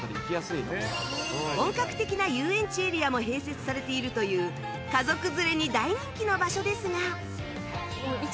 本格的な遊園地エリアも併設されているという家族連れに大人気の場所ですが